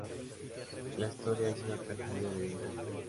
La historia es una tragedia de venganza.